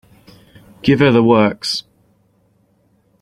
Give her the works.